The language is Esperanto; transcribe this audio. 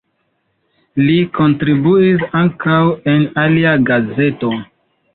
Li kontribuis ankaŭ en alia gazeto.